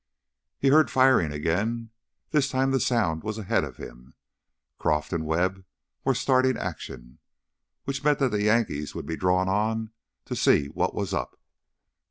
He heard firing again; this time the sound was ahead of him. Croff and Webb were starting action, which meant that the Yankees would be drawn on to see what was up.